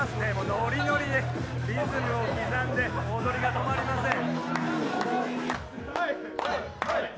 ノリノリでリズムを刻んで踊りが止まりません。